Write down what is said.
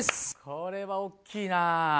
これは大きいな。